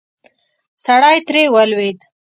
سړی ترې ولوېد.